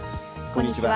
こんにちは。